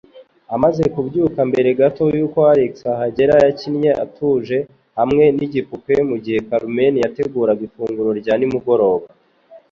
Amaze kubyuka, mbere gato yuko Alex ahagera, yakinnye atuje hamwe n'igipupe mugihe Carmen yateguraga ifunguro rya nimugoroba.